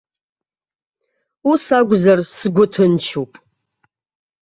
Ус акәзар сгәы ҭынчуп.